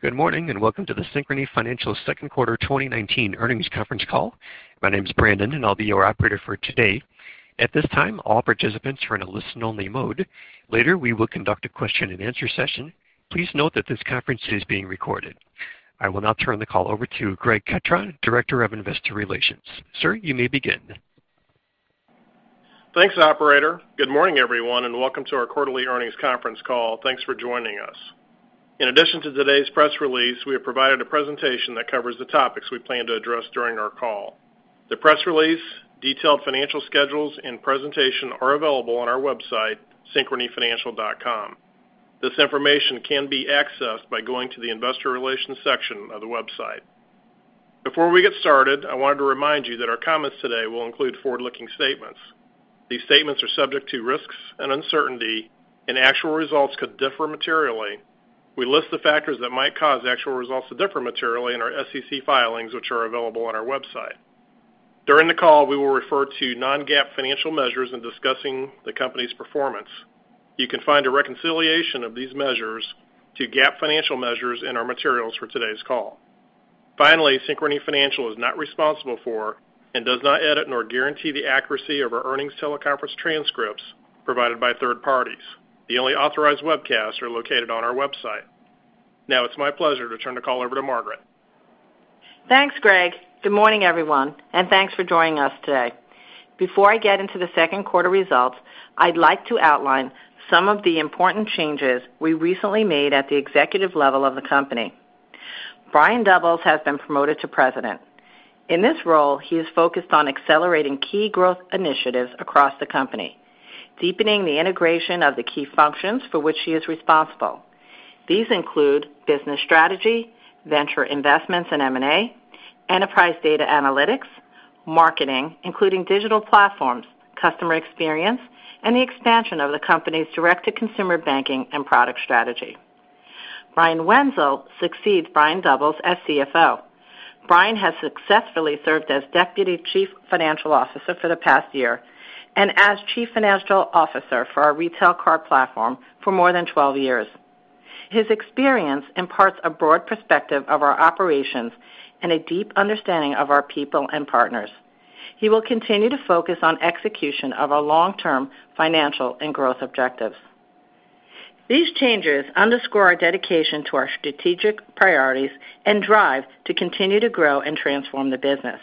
Good morning, and welcome to the Synchrony Financial second quarter 2019 earnings conference call. My name's Brandon, and I'll be your operator for today. At this time, all participants are in a listen-only mode. Later, we will conduct a question and answer session. Please note that this conference is being recorded. I will now turn the call over to Greg Ketron, Director of Investor Relations. Sir, you may begin. Thanks, operator. Good morning, everyone, and welcome to our quarterly earnings conference call. Thanks for joining us. In addition to today's press release, we have provided a presentation that covers the topics we plan to address during our call. The press release, detailed financial schedules, and presentation are available on our website, synchronyfinancial.com. This information can be accessed by going to the investor relations section of the website. Before we get started, I wanted to remind you that our comments today will include forward-looking statements. These statements are subject to risks and uncertainty, and actual results could differ materially. We list the factors that might cause actual results to differ materially in our SEC filings, which are available on our website. During the call, we will refer to non-GAAP financial measures in discussing the company's performance. You can find a reconciliation of these measures to GAAP financial measures in our materials for today's call. Finally, Synchrony Financial is not responsible for and does not edit or guarantee the accuracy of our earnings teleconference transcripts provided by third parties. The only authorized webcasts are located on our website. Now it's my pleasure to turn the call over to Margaret. Thanks, Greg. Good morning, everyone, and thanks for joining us today. Before I get into the second quarter results, I'd like to outline some of the important changes we recently made at the executive level of the company. Brian Doubles has been promoted to President. In this role, he is focused on accelerating key growth initiatives across the company, deepening the integration of the key functions for which he is responsible. These include business strategy, venture investments and M&A, enterprise data analytics, marketing, including digital platforms, customer experience, and the expansion of the company's direct-to-consumer banking and product strategy. Brian Wenzel succeeds Brian Doubles as CFO. Brian has successfully served as Deputy Chief Financial Officer for the past year and as Chief Financial Officer for our Retail Card platform for more than 12 years. His experience imparts a broad perspective of our operations and a deep understanding of our people and partners. He will continue to focus on execution of our long-term financial and growth objectives. These changes underscore our dedication to our strategic priorities and drive to continue to grow and transform the business.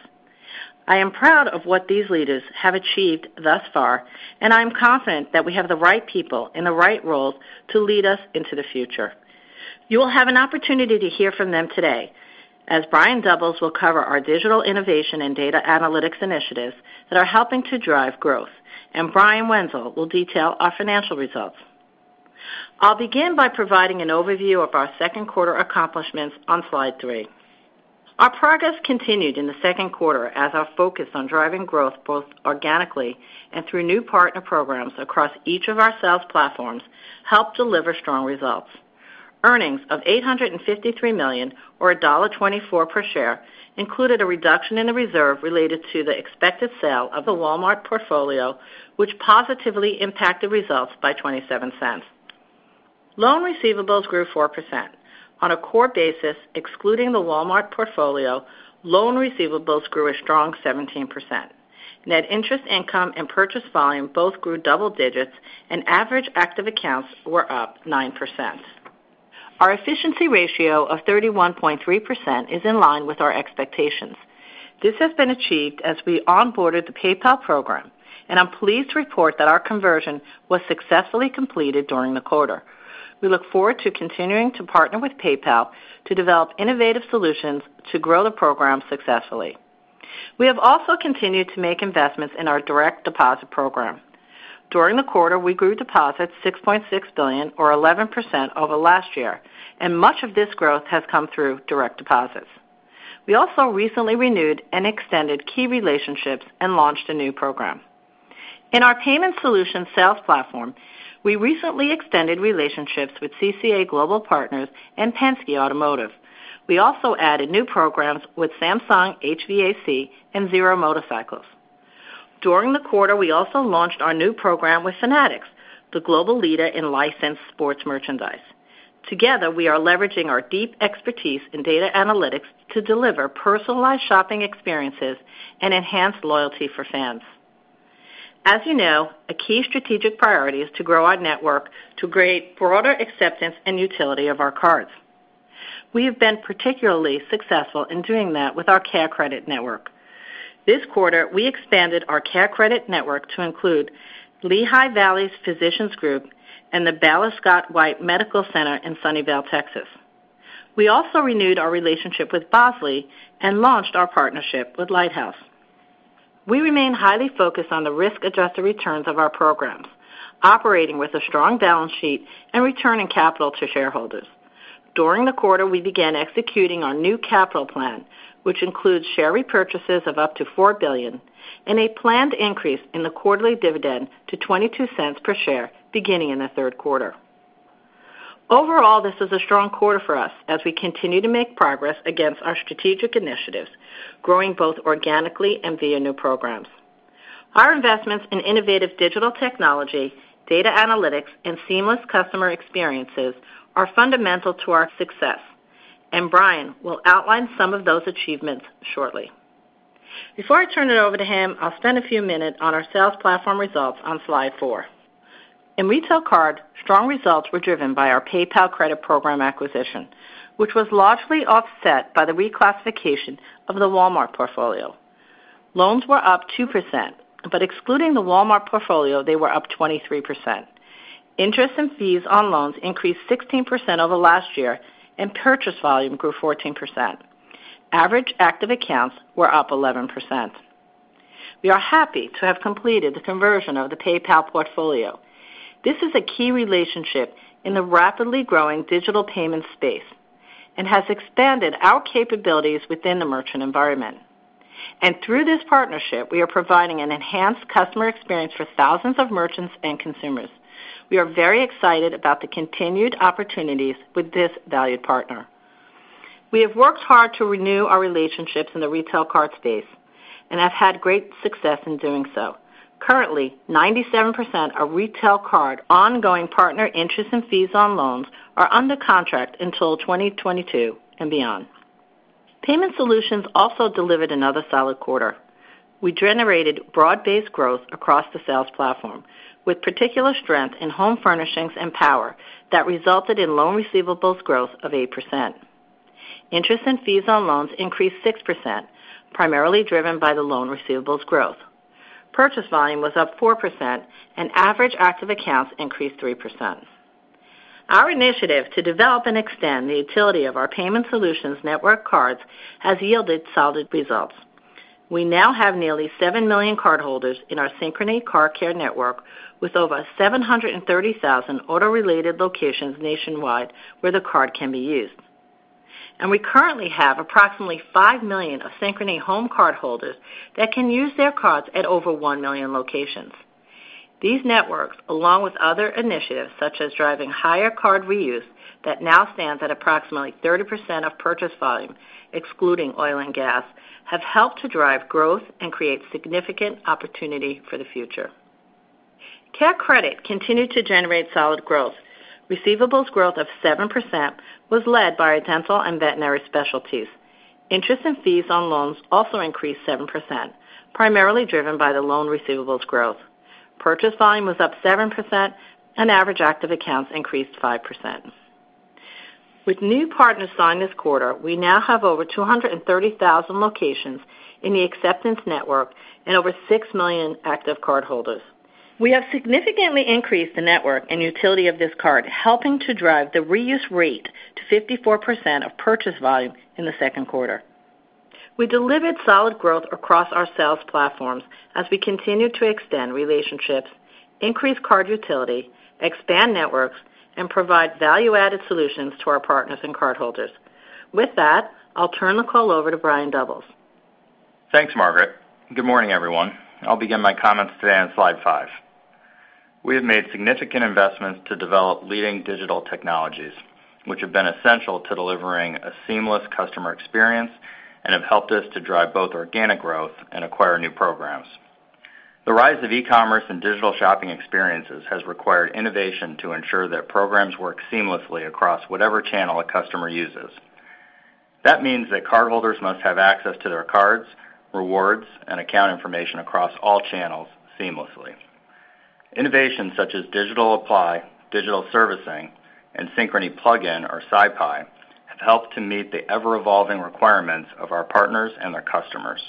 I am proud of what these leaders have achieved thus far, and I am confident that we have the right people in the right roles to lead us into the future. You will have an opportunity to hear from them today as Brian Doubles will cover our digital innovation and data analytics initiatives that are helping to drive growth, and Brian Wenzel will detail our financial results. I'll begin by providing an overview of our second quarter accomplishments on slide three. Our progress continued in the second quarter as our focus on driving growth, both organically and through new partner programs across each of our sales platforms, helped deliver strong results. Earnings of $853 million or $1.24 per share included a reduction in the reserve related to the expected sale of the Walmart portfolio, which positively impacted results by $0.27. Loan receivables grew 4%. On a core basis, excluding the Walmart portfolio, loan receivables grew a strong 17%. Net interest income and purchase volume both grew double digits, and average active accounts were up 9%. Our efficiency ratio of 31.3% is in line with our expectations. This has been achieved as we onboarded the PayPal program, and I'm pleased to report that our conversion was successfully completed during the quarter. We look forward to continuing to partner with PayPal to develop innovative solutions to grow the program successfully. We have also continued to make investments in our direct deposit program. During the quarter, we grew deposits $6.6 billion or 11% over last year, and much of this growth has come through direct deposits. We also recently renewed and extended key relationships and launched a new program. In our Payment Solutions sales platform, we recently extended relationships with CCA Global Partners and Penske Automotive. We also added new programs with Samsung HVAC and Zero Motorcycles. During the quarter, we also launched our new program with Fanatics, the global leader in licensed sports merchandise. Together, we are leveraging our deep expertise in data analytics to deliver personalized shopping experiences and enhance loyalty for fans. As you know, a key strategic priority is to grow our network to create broader acceptance and utility of our cards. We have been particularly successful in doing that with our CareCredit network. This quarter, we expanded our CareCredit network to include Lehigh Valley Physician Group and the Baylor Scott & White Medical Center in Sunnyvale, Texas. We also renewed our relationship with Bosley and launched our partnership with Lighthouse. We remain highly focused on the risk-adjusted returns of our programs, operating with a strong balance sheet and returning capital to shareholders. During the quarter, we began executing our new capital plan, which includes share repurchases of up to $4 billion and a planned increase in the quarterly dividend to $0.22 per share beginning in the third quarter. Overall, this is a strong quarter for us as we continue to make progress against our strategic initiatives, growing both organically and via new programs. Our investments in innovative digital technology, data analytics, and seamless customer experiences are fundamental to our success. Brian will outline some of those achievements shortly. Before I turn it over to him, I'll spend a few minute on our sales platform results on slide four. In Retail Card, strong results were driven by our PayPal Credit program acquisition, which was largely offset by the reclassification of the Walmart portfolio. Loans were up 2%, but excluding the Walmart portfolio, they were up 23%. Interest and fees on loans increased 16% over last year, and purchase volume grew 14%. Average active accounts were up 11%. We are happy to have completed the conversion of the PayPal portfolio. This is a key relationship in the rapidly growing digital payment space and has expanded our capabilities within the merchant environment. Through this partnership, we are providing an enhanced customer experience for thousands of merchants and consumers. We are very excited about the continued opportunities with this valued partner. We have worked hard to renew our relationships in the Retail Card space and have had great success in doing so. Currently, 97% of Retail Card ongoing partner interest and fees on loans are under contract until 2022 and beyond. Payment Solutions also delivered another solid quarter. We generated broad-based growth across the sales platform, with particular strength in home furnishings and power that resulted in loan receivables growth of 8%. Interest and fees on loans increased 6%, primarily driven by the loan receivables growth. Purchase volume was up 4%, and average active accounts increased 3%. Our initiative to develop and extend the utility of our Payment Solutions network cards has yielded solid results. We now have nearly 7 million cardholders in our Synchrony Car Care network, with over 730,000 auto-related locations nationwide where the card can be used. We currently have approximately 5 million of Synchrony HOME cardholders that can use their cards at over 1 million locations. These networks, along with other initiatives, such as driving higher card reuse that now stands at approximately 30% of purchase volume, excluding oil and gas, have helped to drive growth and create significant opportunity for the future. CareCredit continued to generate solid growth. Receivables growth of 7% was led by our dental and veterinary specialties. Interest and fees on loans also increased 7%, primarily driven by the loan receivables growth. Purchase volume was up 7%, and average active accounts increased 5%. With new partners signed this quarter, we now have over 230,000 locations in the acceptance network and over 6 million active cardholders. We have significantly increased the network and utility of this card, helping to drive the reuse rate to 54% of purchase volume in the second quarter. We delivered solid growth across our sales platforms as we continue to extend relationships, increase card utility, expand networks, and provide value-added solutions to our partners and cardholders. With that, I'll turn the call over to Brian Doubles. Thanks, Margaret. Good morning, everyone. I'll begin my comments today on slide five. We have made significant investments to develop leading digital technologies, which have been essential to delivering a seamless customer experience and have helped us to drive both organic growth and acquire new programs. The rise of e-commerce and digital shopping experiences has required innovation to ensure that programs work seamlessly across whatever channel a customer uses. That means that cardholders must have access to their cards, rewards, and account information across all channels seamlessly. Innovations such as Digital Apply, Digital Servicing, and Synchrony Plug-in, or SyPi, have helped to meet the ever-evolving requirements of our partners and their customers.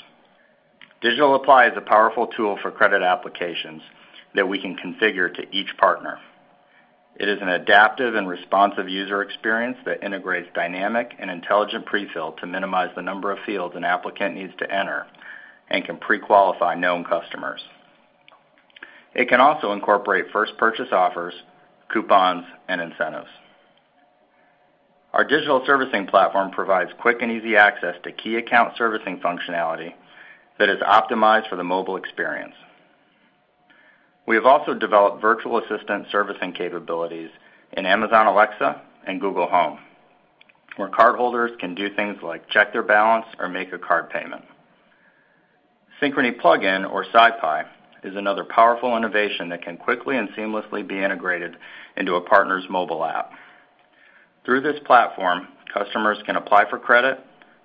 Digital Apply is a powerful tool for credit applications that we can configure to each partner. It is an adaptive and responsive user experience that integrates dynamic and intelligent pre-fill to minimize the number of fields an applicant needs to enter and can pre-qualify known customers. It can also incorporate first purchase offers, coupons, and incentives. Our Digital Servicing platform provides quick and easy access to key account servicing functionality that is optimized for the mobile experience. We have also developed virtual assistant servicing capabilities in Amazon Alexa and Google Home, where cardholders can do things like check their balance or make a card payment. Synchrony Plug-in, or SyPi, is another powerful innovation that can quickly and seamlessly be integrated into a partner's mobile app. Through this platform, customers can apply for credit,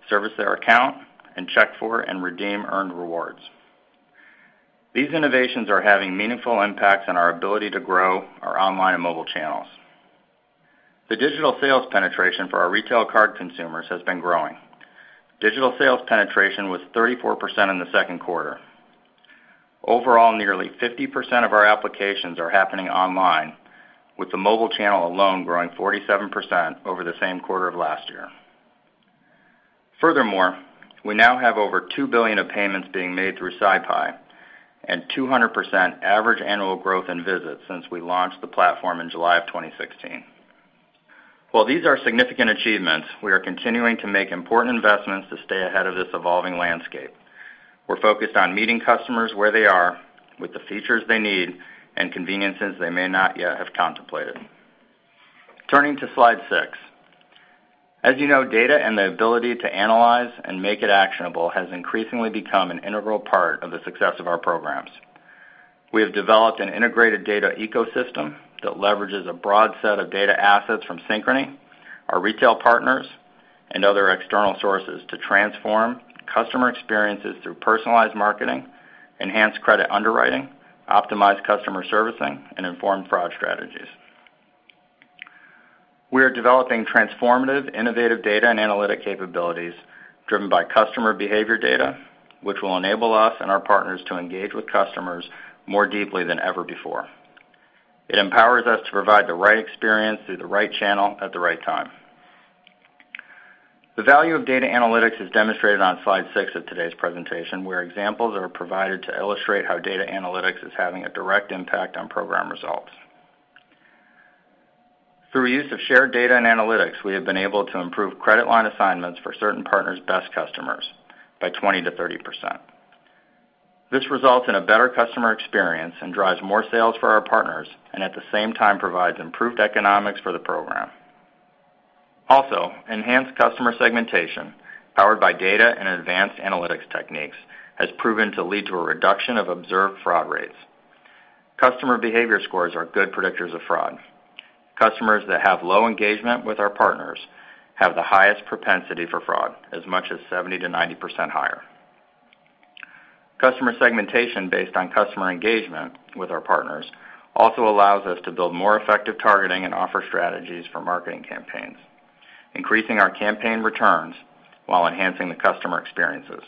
service their account, and check for and redeem earned rewards. These innovations are having meaningful impacts on our ability to grow our online and mobile channels. The digital sales penetration for our retail card consumers has been growing. Digital sales penetration was 34% in the second quarter. Overall, nearly 50% of our applications are happening online, with the mobile channel alone growing 47% over the same quarter of last year. Further more, we now have over $2 billion of payments being made through SyPi and 200% average annual growth in visits since we launched the platform in July of 2016. These are significant achievements, we are continuing to make important investments to stay ahead of this evolving landscape. We're focused on meeting customers where they are, with the features they need and conveniences they may not yet have contemplated. Turning to slide six. As you know, data and the ability to analyze and make it actionable has increasingly become an integral part of the success of our programs. We have developed an integrated data ecosystem that leverages a broad set of data assets from Synchrony, our retail partners, and other external sources to transform customer experiences through personalized marketing, enhanced credit underwriting, optimized customer servicing, and informed fraud strategies. We are developing transformative, innovative data and analytic capabilities driven by customer behavior data, which will enable us and our partners to engage with customers more deeply than ever before. It empowers us to provide the right experience through the right channel at the right time. The value of data analytics is demonstrated on slide six of today's presentation, where examples are provided to illustrate how data analytics is having a direct impact on program results. Through use of shared data and analytics, we have been able to improve credit line assignments for certain partners' best customers by 20%-30%. This results in a better customer experience and drives more sales for our partners, and at the same time, provides improved economics for the program. Also, enhanced customer segmentation, powered by data and advanced analytics techniques, has proven to lead to a reduction of observed fraud rates. Customer behavior scores are good predictors of fraud. Customers that have low engagement with our partners have the highest propensity for fraud, as much as 70%-90% higher. Customer segmentation based on customer engagement with our partners also allows us to build more effective targeting and offer strategies for marketing campaigns, increasing our campaign returns while enhancing the customer experiences.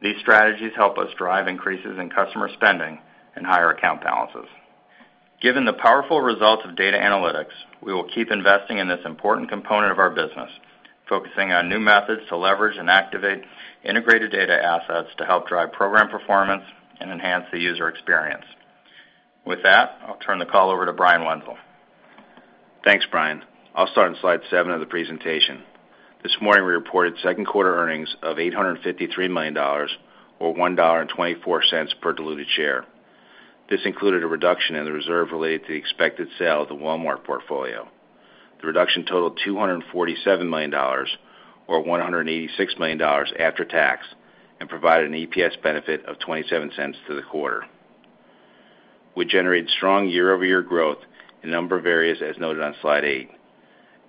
These strategies help us drive increases in customer spending and higher account balances. Given the powerful results of data analytics, we will keep investing in this important component of our business, focusing on new methods to leverage and activate integrated data assets to help drive program performance and enhance the user experience. With that, I'll turn the call over to Brian Wenzel. Thanks, Brian. I'll start on slide seven of the presentation. This morning, we reported second quarter earnings of $853 million, or $1.24 per diluted share. This included a reduction in the reserve related to the expected sale of the Walmart portfolio. The reduction totaled $247 million, or $186 million after tax, and provided an EPS benefit of $0.27 to the quarter. We generated strong year-over-year growth in a number of areas as noted on slide eight.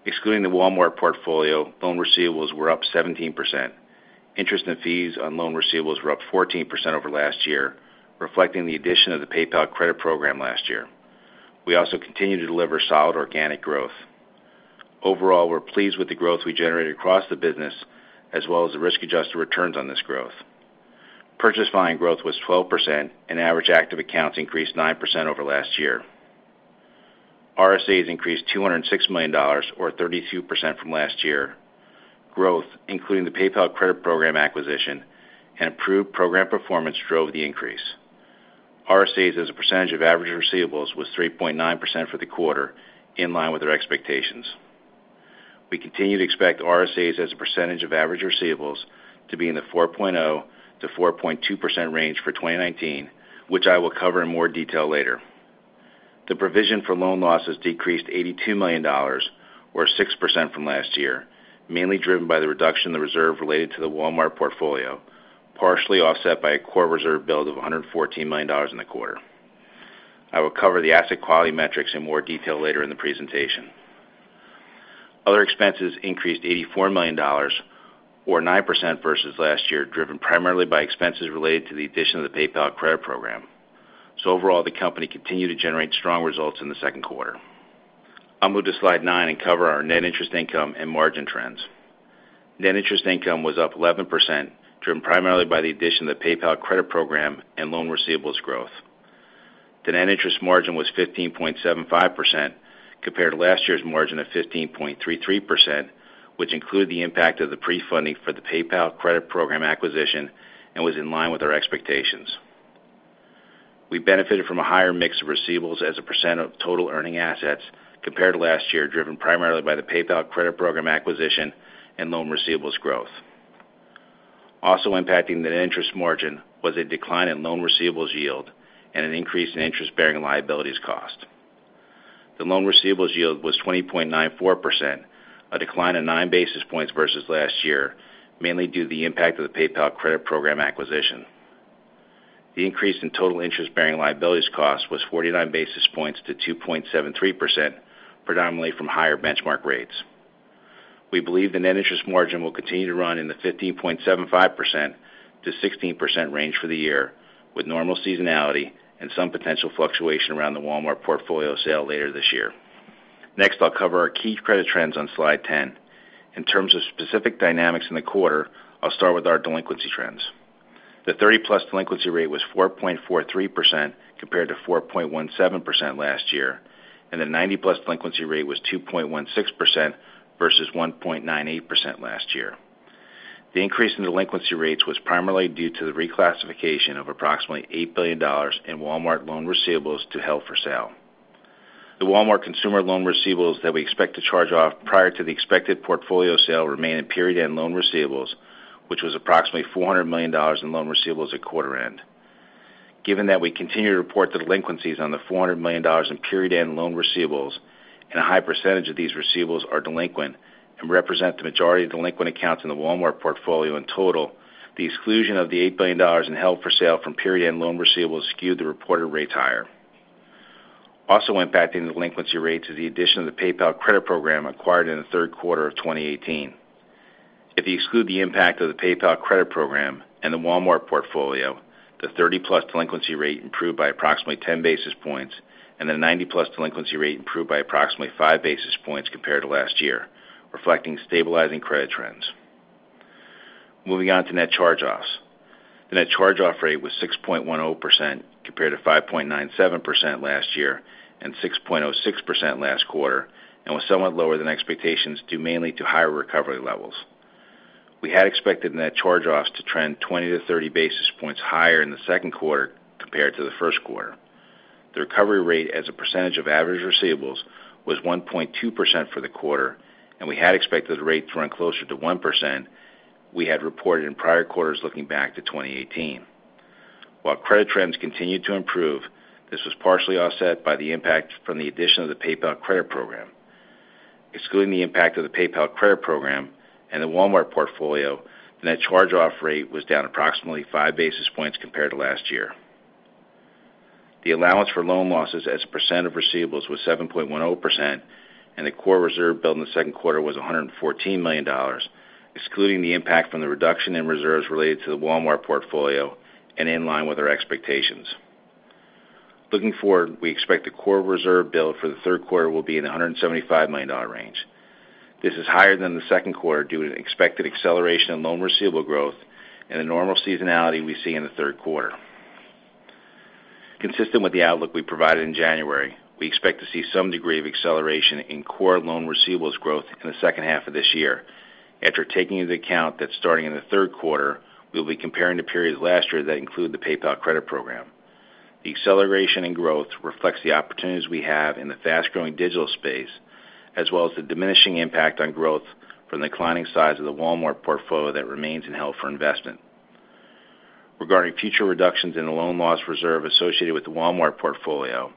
Excluding the Walmart portfolio, loan receivables were up 17%. Interest and fees on loan receivables were up 14% over last year, reflecting the addition of the PayPal Credit program last year. We also continue to deliver solid organic growth. Overall, we're pleased with the growth we generated across the business, as well as the risk-adjusted returns on this growth. Purchase volume growth was 12% and average active accounts increased 9% over last year. RSAs increased $206 million, or 32% from last year. Growth, including the PayPal Credit program acquisition and improved program performance, drove the increase. RSAs as a percentage of average receivables was 3.9% for the quarter, in line with our expectations. We continue to expect RSAs as a percentage of average receivables to be in the 4.0%-4.2% range for 2019, which I will cover in more detail later. The provision for loan losses decreased $82 million, or 6% from last year, mainly driven by the reduction in the reserve related to the Walmart portfolio, partially offset by a core reserve build of $114 million in the quarter. I will cover the asset quality metrics in more detail later in the presentation. Other expenses increased $84 million, or 9% versus last year, driven primarily by expenses related to the addition of the PayPal Credit program. Overall, the company continued to generate strong results in the second quarter. I'll move to slide nine and cover our net interest income and margin trends. Net interest income was up 11%, driven primarily by the addition of the PayPal Credit program and loan receivables growth. The net interest margin was 15.75% compared to last year's margin of 15.33%, which included the impact of the pre-funding for the PayPal Credit program acquisition and was in line with our expectations. We benefited from a higher mix of receivables as a percent of total earning assets compared to last year, driven primarily by the PayPal Credit program acquisition and loan receivables growth. Also impacting the net interest margin was a decline in loan receivables yield and an increase in interest-bearing liabilities cost. The loan receivables yield was 20.94%, a decline of nine basis points versus last year, mainly due to the impact of the PayPal Credit program acquisition. The increase in total interest-bearing liabilities cost was 49 basis points to 2.73%, predominantly from higher benchmark rates. We believe the net interest margin will continue to run in the 15.75%-16% range for the year, with normal seasonality and some potential fluctuation around the Walmart portfolio sale later this year. Next, I'll cover our key credit trends on slide 10. In terms of specific dynamics in the quarter, I'll start with our delinquency trends. The 30+ delinquency rate was 4.43% compared to 4.17% last year, and the 90+ delinquency rate was 2.16% versus 1.98% last year. The increase in delinquency rates was primarily due to the reclassification of approximately $8 billion in Walmart loan receivables to held for sale. The Walmart consumer loan receivables that we expect to charge off prior to the expected portfolio sale remain in period-end loan receivables, which was approximately $400 million in loan receivables at quarter end. Given that we continue to report delinquencies on the $400 million in period-end loan receivables, and a high percentage of these receivables are delinquent and represent the majority of delinquent accounts in the Walmart portfolio in total, the exclusion of the $8 billion in held-for-sale from period-end loan receivables skewed the reported rates higher. Also impacting the delinquency rates is the addition of the PayPal Credit program acquired in the third quarter of 2018. If you exclude the impact of the PayPal Credit program and the Walmart portfolio, the 30+ delinquency rate improved by approximately 10 basis points, and the 90+ delinquency rate improved by approximately five basis points compared to last year, reflecting stabilizing credit trends. Moving on to net charge-offs. The net charge-off rate was 6.10%, compared to 5.97% last year and 6.06% last quarter, and was somewhat lower than expectations due mainly to higher recovery levels. We had expected net charge-offs to trend 20-30 basis points higher in the second quarter compared to the first quarter. The recovery rate as a percentage of average receivables was 1.2% for the quarter, and we had expected the rate to run closer to 1% we had reported in prior quarters looking back to 2018. While credit trends continued to improve, this was partially offset by the impact from the addition of the PayPal Credit program. Excluding the impact of the PayPal Credit program and the Walmart portfolio, the net charge-off rate was down approximately 5 basis points compared to last year. The allowance for loan losses as a percent of receivables was 7.10%, and the core reserve built in the second quarter was $114 million, excluding the impact from the reduction in reserves related to the Walmart portfolio and in line with our expectations. Looking forward, we expect the core reserve build for the third quarter will be in the $175 million range. This is higher than the second quarter due to expected acceleration in loan receivable growth and the normal seasonality we see in the third quarter. Consistent with the outlook we provided in January, we expect to see some degree of acceleration in core loan receivables growth in the second half of this year, after taking into account that starting in the third quarter, we'll be comparing to periods last year that include the PayPal Credit program. The acceleration in growth reflects the opportunities we have in the fast-growing digital space, as well as the diminishing impact on growth from the declining size of the Walmart portfolio that remains in held for investment. Regarding future reductions in the loan loss reserve associated with the Walmart portfolio,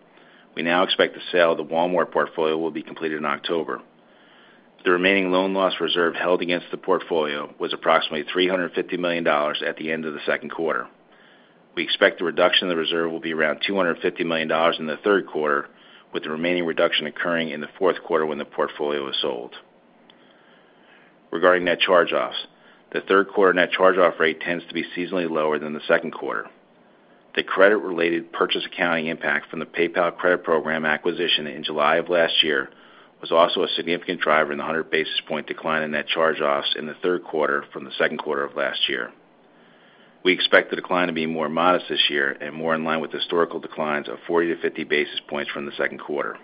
we now expect the sale of the Walmart portfolio will be completed in October. The remaining loan loss reserve held against the portfolio was approximately $350 million at the end of the second quarter. We expect the reduction in the reserve will be around $250 million in the third quarter, with the remaining reduction occurring in the fourth quarter when the portfolio is sold. Regarding net charge-offs, the third quarter net charge-off rate tends to be seasonally lower than the second quarter. The credit-related purchase accounting impact from the PayPal Credit program acquisition in July of last year was also a significant driver in the 100-basis point decline in net charge-offs in the third quarter from the second quarter of last year. We expect the decline to be more modest this year and more in line with historical declines of 40 to 50 basis points from the second quarter.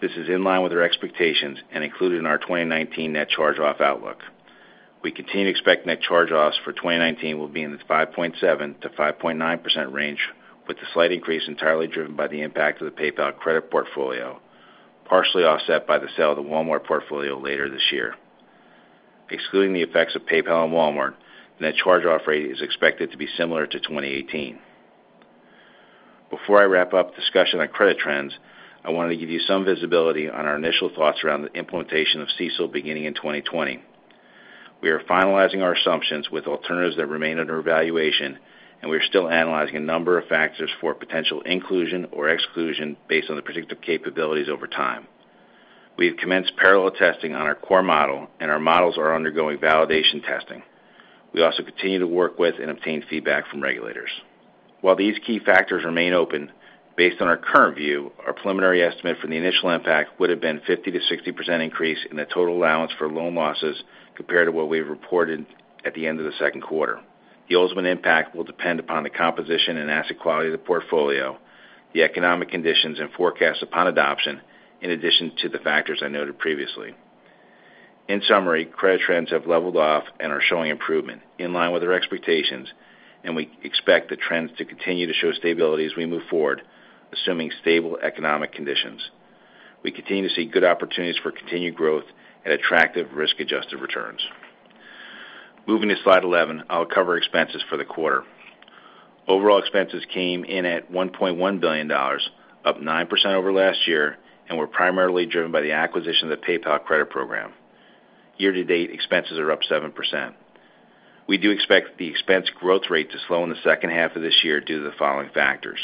This is in line with our expectations and included in our 2019 net charge-off outlook. We continue to expect net charge-offs for 2019 will be in the 5.7%-5.9% range, with the slight increase entirely driven by the impact of the PayPal Credit portfolio, partially offset by the sale of the Walmart portfolio later this year. Excluding the effects of PayPal and Walmart, net charge-off rate is expected to be similar to 2018. Before I wrap up discussion on credit trends, I want to give you some visibility on our initial thoughts around the implementation of CECL beginning in 2020. We are finalizing our assumptions with alternatives that remain under evaluation, and we are still analyzing a number of factors for potential inclusion or exclusion based on the predictive capabilities over time. We have commenced parallel testing on our core model, and our models are undergoing validation testing. We also continue to work with and obtain feedback from regulators. While these key factors remain open, based on our current view, our preliminary estimate for the initial impact would have been 50%-60% increase in the total allowance for loan losses compared to what we've reported at the end of the second quarter. The ultimate impact will depend upon the composition and asset quality of the portfolio, the economic conditions, and forecast upon adoption, in addition to the factors I noted previously. In summary, credit trends have leveled off and are showing improvement in line with our expectations, and we expect the trends to continue to show stability as we move forward, assuming stable economic conditions. We continue to see good opportunities for continued growth and attractive risk-adjusted returns. Moving to slide 11, I'll cover expenses for the quarter. Overall expenses came in at $1.1 billion, up 9% over last year, and were primarily driven by the acquisition of the PayPal Credit program. Year-to-date, expenses are up 7%. We do expect the expense growth rate to slow in the second half of this year due to the following factors.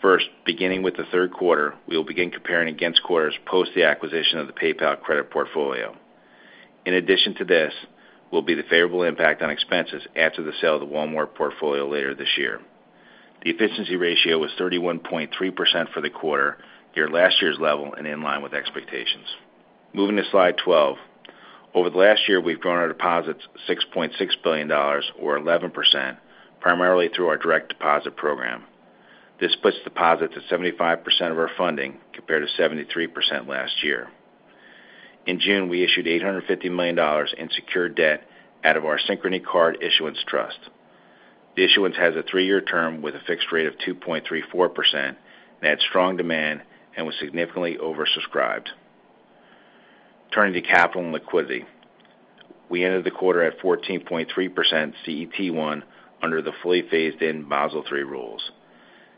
First, beginning with the third quarter, we will begin comparing against quarters post the acquisition of the PayPal Credit portfolio. In addition to this will be the favorable impact on expenses after the sale of the Walmart portfolio later this year. The efficiency ratio was 31.3% for the quarter, near last year's level and in line with expectations. Moving to slide 12. Over the last year, we've grown our deposits $6.6 billion, or 11%, primarily through our direct deposit program. This puts deposits at 75% of our funding, compared to 73% last year. In June, we issued $850 million in secured debt out of our Synchrony Card Issuance Trust. The issuance has a three-year term with a fixed rate of 2.34%, and had strong demand and was significantly oversubscribed. Turning to capital and liquidity. We ended the quarter at 14.3% CET1 under the fully phased-in Basel III rules.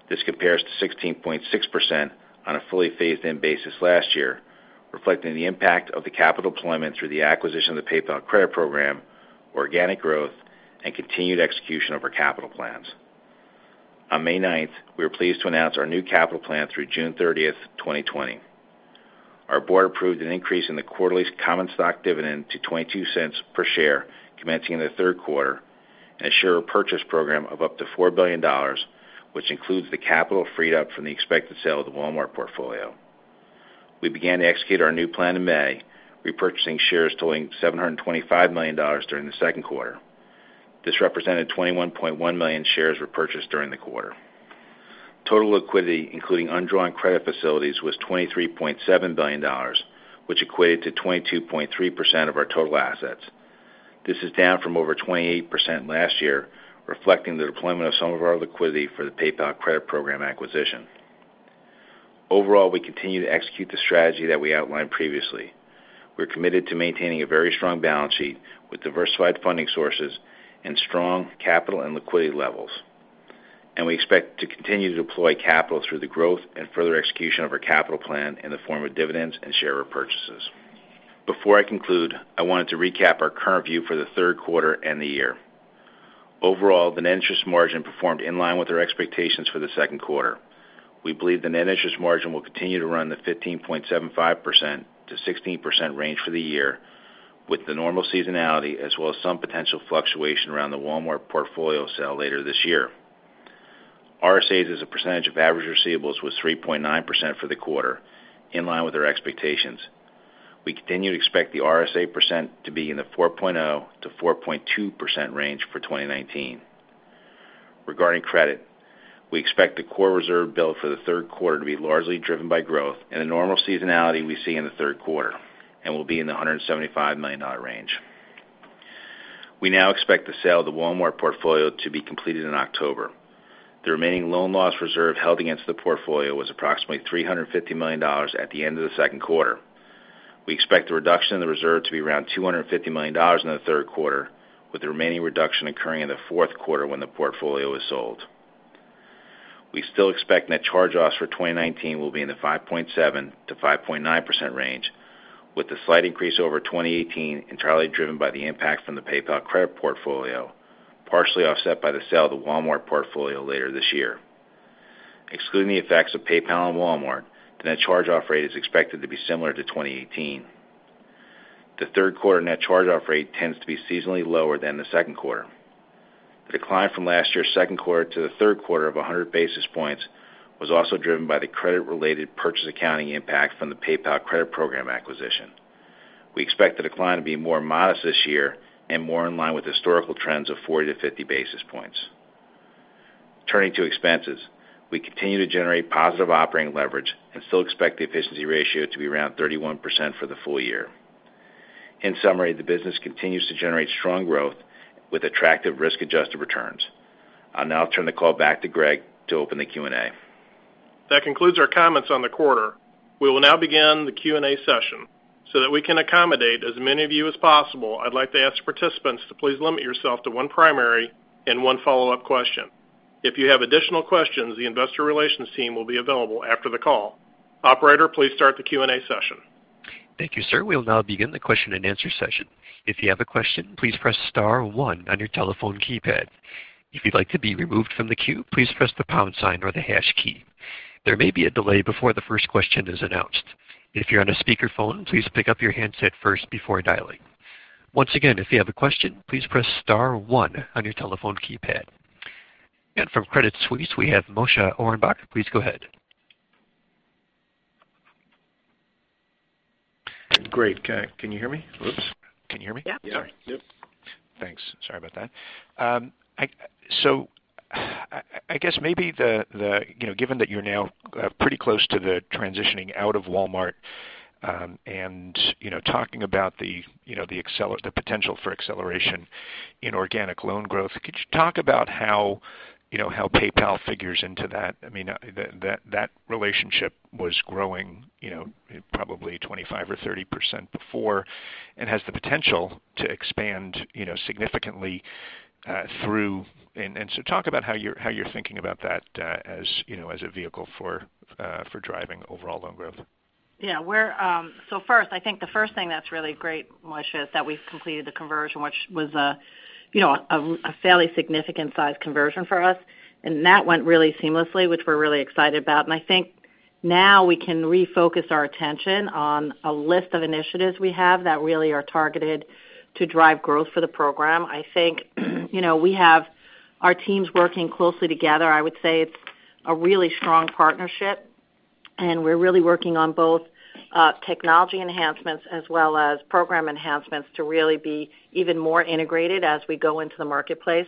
This compares to 16.6% on a fully phased-in basis last year, reflecting the impact of the capital deployment through the acquisition of the PayPal Credit program, organic growth, and continued execution of our capital plans. On May 9th, we were pleased to announce our new capital plan through June 30th, 2020. Our board approved an increase in the quarterly common stock dividend to $0.22 per share commencing in the third quarter, and a share repurchase program of up to $4 billion, which includes the capital freed up from the expected sale of the Walmart portfolio. We began to execute our new plan in May, repurchasing shares totaling $725 million during the second quarter. This represented 21.1 million shares repurchased during the quarter. Total liquidity, including undrawn credit facilities, was $23.7 billion, which equated to 22.3% of our total assets. This is down from over 28% last year, reflecting the deployment of some of our liquidity for the PayPal Credit program acquisition. Overall, we continue to execute the strategy that we outlined previously. We're committed to maintaining a very strong balance sheet with diversified funding sources and strong capital and liquidity levels. We expect to continue to deploy capital through the growth and further execution of our capital plan in the form of dividends and share repurchases. Before I conclude, I wanted to recap our current view for the third quarter and the year. Overall, the net interest margin performed in line with our expectations for the second quarter. We believe the net interest margin will continue to run the 15.75%-16% range for the year with the normal seasonality as well as some potential fluctuation around the Walmart portfolio sale later this year. RSAs as a percentage of average receivables was 3.9% for the quarter, in line with our expectations. We continue to expect the RSA percent to be in the 4.0%-4.2% range for 2019. Regarding credit, we expect the core reserve build for the third quarter to be largely driven by growth and the normal seasonality we see in the third quarter and will be in the $175 million range. We now expect the sale of the Walmart portfolio to be completed in October. The remaining loan loss reserve held against the portfolio was approximately $350 million at the end of the second quarter. We expect the reduction in the reserve to be around $250 million in the third quarter, with the remaining reduction occurring in the fourth quarter when the portfolio is sold. We still expect net charge-offs for 2019 will be in the 5.7%-5.9% range, with the slight increase over 2018 entirely driven by the impact from the PayPal Credit portfolio, partially offset by the sale of the Walmart portfolio later this year. Excluding the effects of PayPal and Walmart, the net charge-off rate is expected to be similar to 2018. The third quarter net charge-off rate tends to be seasonally lower than the second quarter. The decline from last year's second quarter to the third quarter of 100 basis points was also driven by the credit-related purchase accounting impact from the PayPal Credit program acquisition. We expect the decline to be more modest this year and more in line with historical trends of 40 to 50 basis points. Turning to expenses, we continue to generate positive operating leverage and still expect the efficiency ratio to be around 31% for the full year. In summary, the business continues to generate strong growth with attractive risk-adjusted returns. I'll now turn the call back to Greg to open the Q&A. That concludes our comments on the quarter. We will now begin the Q&A session. That we can accommodate as many of you as possible, I'd like to ask participants to please limit yourself to one primary and one follow-up question. If you have additional questions, the investor relations team will be available after the call. Operator, please start the Q&A session. Thank you, sir. We'll now begin the question-and-answer session. If you have a question, please press star one on your telephone keypad. If you'd like to be removed from the queue, please press the pound sign or the hash key. There may be a delay before the first question is announced. If you're on a speakerphone, please pick up your handset first before dialing. Once again, if you have a question, please press star one on your telephone keypad. From Credit Suisse, we have Moshe Orenbuch. Please go ahead. Great. Can you hear me? Oops. Can you hear me? Yeah. Yeah. Thanks. Sorry about that. I guess maybe, given that you're now pretty close to the transitioning out of Walmart, talking about the potential for acceleration in organic loan growth, could you talk about how PayPal figures into that? That relationship was growing probably 25% or 30% before and has the potential to expand significantly through. Talk about how you're thinking about that as a vehicle for driving overall loan growth. Yeah. First, I think the first thing that's really great, Moshe, is that we've completed the conversion, which was a fairly significant size conversion for us. That went really seamlessly, which we're really excited about. I think now we can refocus our attention on a list of initiatives we have that really are targeted to drive growth for the program. I think we have our teams working closely together. I would say it's a really strong partnership, and we're really working on both technology enhancements as well as program enhancements to really be even more integrated as we go into the marketplace,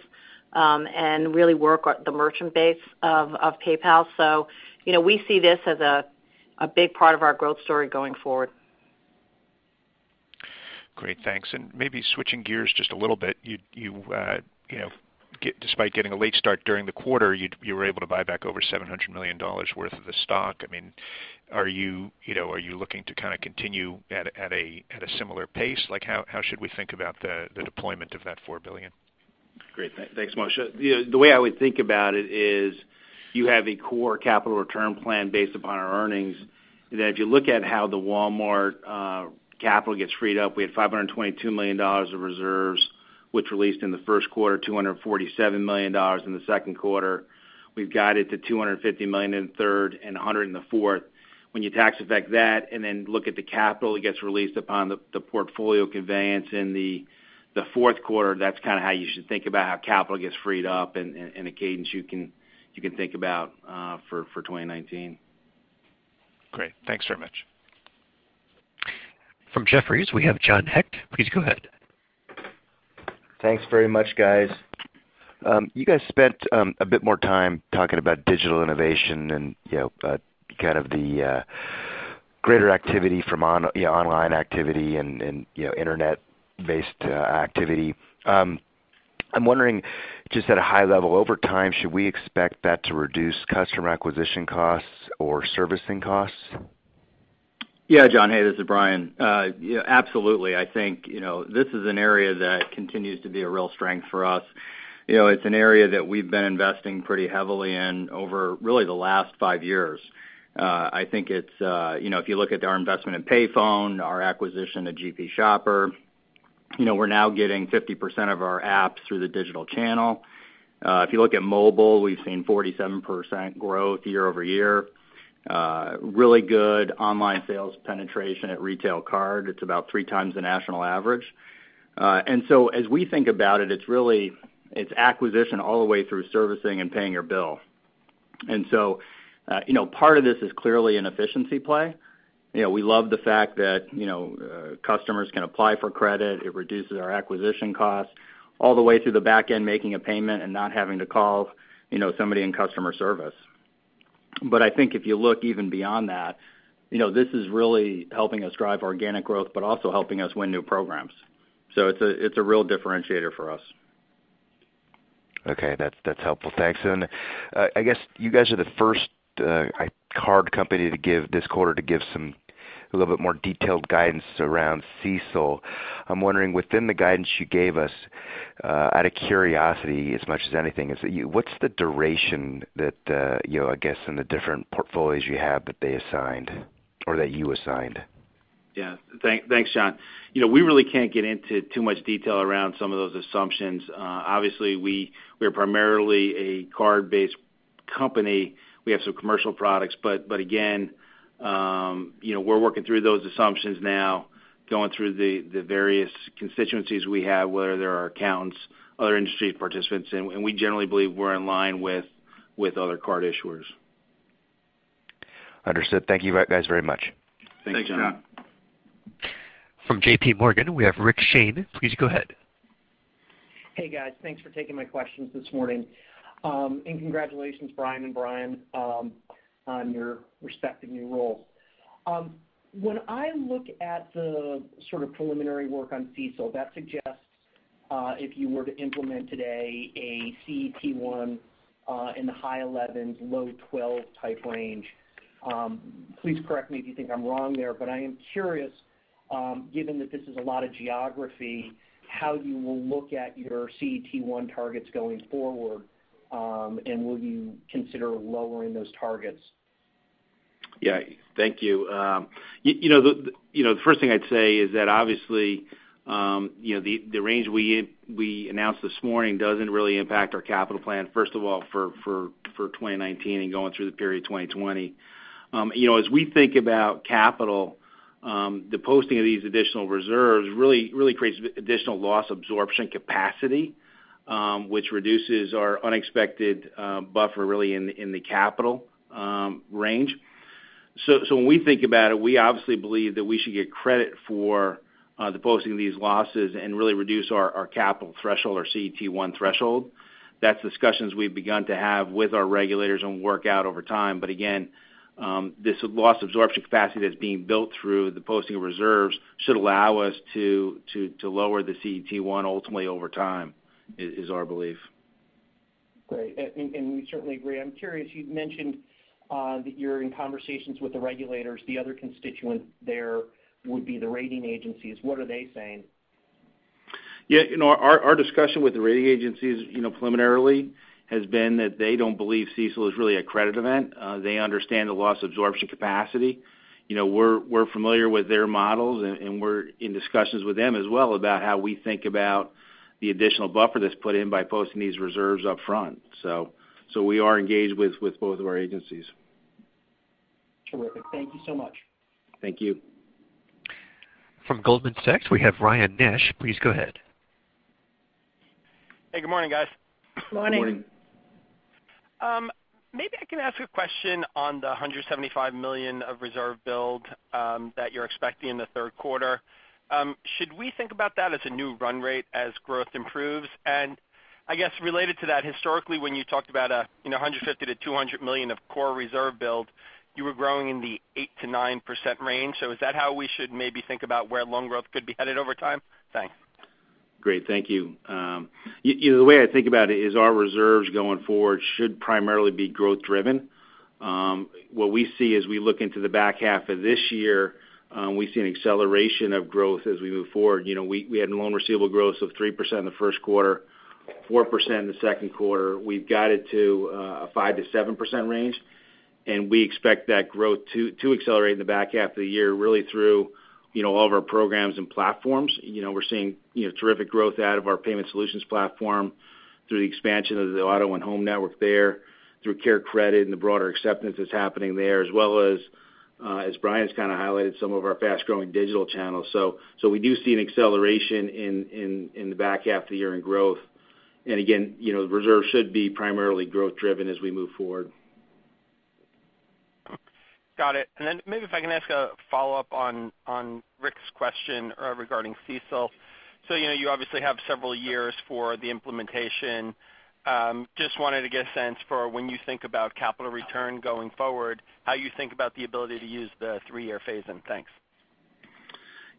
and really work the merchant base of PayPal. We see this as a big part of our growth story going forward. Great. Thanks. Maybe switching gears just a little bit. Despite getting a late start during the quarter, you were able to buy back over $700 million worth of the stock. Are you looking to continue at a similar pace? How should we think about the deployment of that $4 billion? Great. Thanks, Moshe. The way I would think about it is you have a core capital return plan based upon our earnings, that if you look at how the Walmart capital gets freed up, we had $522 million of reserves, which released in the first quarter, $247 million in the second quarter. We've got it to $250 million in third and $100 million in the fourth. When you tax effect that, then look at the capital that gets released upon the portfolio conveyance in the fourth quarter, that's how you should think about how capital gets freed up and a cadence you can think about for 2019. Great. Thanks very much. From Jefferies, we have John Hecht. Please go ahead. Thanks very much, guys. You guys spent a bit more time talking about digital innovation and the greater activity from online activity and internet-based activity. I'm wondering, just at a high level over time, should we expect that to reduce customer acquisition costs or servicing costs? Yeah, John. Hey, this is Brian. Absolutely. I think, this is an area that continues to be a real strength for us. It's an area that we've been investing pretty heavily in over really the last five years. If you look at our investment in PayPal Credit, our acquisition of GPShopper, we're now getting 50% of our apps through the digital channel. If you look at mobile, we've seen 47% growth year-over-year. Really good online sales penetration at Retail Card. It's about 3x the national average. As we think about it's acquisition all the way through servicing and paying your bill. Part of this is clearly an efficiency play. We love the fact that customers can apply for credit. It reduces our acquisition costs all the way through the back end, making a payment and not having to call somebody in customer service. I think if you look even beyond that, this is really helping us drive organic growth, but also helping us win new programs. It's a real differentiator for us. Okay. That's helpful. Thanks. I guess you guys are the first card company this quarter to give a little bit more detailed guidance around CECL. I'm wondering, within the guidance you gave us, out of curiosity as much as anything, what's the duration that, I guess in the different portfolios you have that they assigned or that you assigned? Yeah. Thanks, John. We really can't get into too much detail around some of those assumptions. Obviously we are primarily a card-based company. We have some commercial products, but again, we're working through those assumptions now, going through the various constituencies we have, whether they're our accountants, other industry participants, and we generally believe we're in line with other card issuers. Understood. Thank you guys very much. Thanks, John. From JPMorgan, we have Rick Shane. Please go ahead. Hey, guys. Thanks for taking my questions this morning. Congratulations, Brian and Brian, on your respective new roles. When I look at the preliminary work on CECL, that suggests, if you were to implement today a CET1 in the high 11s, low 12 type range. Please correct me if you think I'm wrong there. I am curious, given that this is a lot of geography, how you will look at your CET1 targets going forward. Will you consider lowering those targets? Yeah. Thank you. The first thing I'd say is that obviously, the range we announced this morning doesn't really impact our capital plan, first of all, for 2019 and going through the period of 2020. As we think about capital, the posting of these additional reserves really creates additional loss absorption capacity, which reduces our unexpected buffer really in the capital range. When we think about it, we obviously believe that we should get credit for the posting of these losses and really reduce our capital threshold, our CET1 threshold. That's discussions we've begun to have with our regulators and work out over time. Again, this loss absorption capacity that's being built through the posting of reserves should allow us to lower the CET1 ultimately over time, is our belief. Great. We certainly agree. I'm curious, you've mentioned that you're in conversations with the regulators. The other constituent there would be the rating agencies. What are they saying? Yeah. Our discussion with the rating agencies preliminarily has been that they don't believe CECL is really a credit event. They understand the loss absorption capacity. We're familiar with their models. We're in discussions with them as well about how we think about the additional buffer that's put in by posting these reserves upfront. We are engaged with both of our agencies. Terrific. Thank you so much. Thank you. From Goldman Sachs, we have Ryan Nash. Please go ahead. Hey, good morning, guys. Morning. Morning. Maybe I can ask a question on the $175 million of reserve build that you're expecting in the third quarter. Should we think about that as a new run rate as growth improves? I guess related to that, historically, when you talked about $150 million-$200 million of core reserve build, you were growing in the 8%-9% range. Is that how we should maybe think about where loan growth could be headed over time? Thanks. Great. Thank you. The way I think about it is our reserves going forward should primarily be growth driven. What we see as we look into the back half of this year, we see an acceleration of growth as we move forward. We had loan receivable growth of 3% in the first quarter, 4% in the second quarter. We've guided to a 5%-7% range, and we expect that growth to accelerate in the back half of the year, really through all of our programs and platforms. We're seeing terrific growth out of our Payment Solutions platform through the expansion of the auto and home network there, through CareCredit and the broader acceptance that's happening there, as well as Brian's kind of highlighted, some of our fast-growing digital channels. We do see an acceleration in the back half of the year in growth. Again, the reserve should be primarily growth driven as we move forward. Got it. Then maybe if I can ask a follow-up on Rick's question regarding CECL. You obviously have several years for the implementation. Just wanted to get a sense for when you think about capital return going forward, how you think about the ability to use the three-year phase-in. Thanks.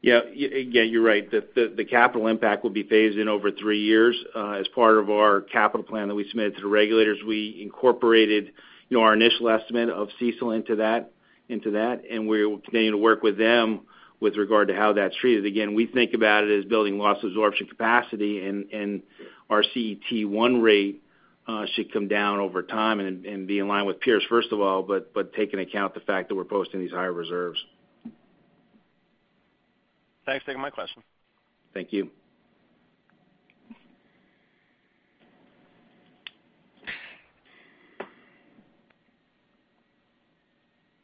Yeah, you're right. The capital impact will be phased in over three years. As part of our capital plan that we submitted to the regulators, we incorporated our initial estimate of CECL into that. We're continuing to work with them with regard to how that's treated. Again, we think about it as building loss absorption capacity, and our CET1 rate should come down over time and be in line with peers, first of all, but take into account the fact that we're posting these higher reserves. Thanks for taking my question. Thank you.